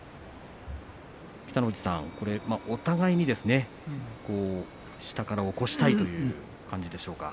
北の富士さん、お互いに下から起こしたいという感じでしょうか。